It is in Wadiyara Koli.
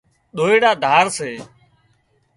ڏورا ڌار سي